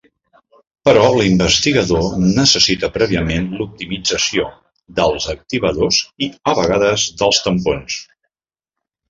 Però l'investigador necessita prèviament l'optimització dels activadors i, a vegades, dels tampons.